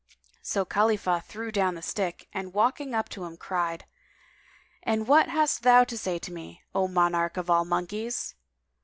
So Khalifah threw down the stick and walking up to him cried, "And what hast thou to say to me, O monarch of all monkeys?"